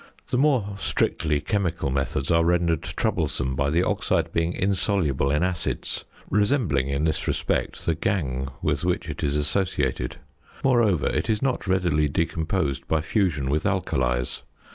The more strictly chemical methods are rendered troublesome by the oxide being insoluble in acids, resembling in this respect the gangue with which it is associated. Moreover, it is not readily decomposed by fusion with alkalies.